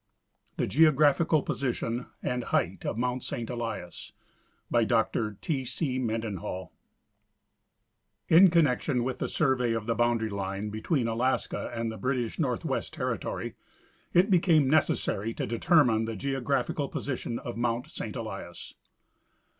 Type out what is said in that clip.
THP] GEOGRAPHICAL POSITION AND HEIGHT OF MOUNT SAINT ELIAS BY DR T. C. MENDENHALL (Presented before the Society April 28, 1S93) 111 connection with the survey of the boundary line between Alaska and the British Northwest Teriitory it became necessary to determine the geographical position of mount Saint Elias.